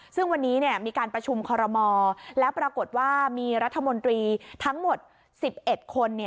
ซึ่งวันนี้มีการประชุมคอรมอแล้วปรากฏว่ามีรัฐมนตรีทั้งหมด๑๑คน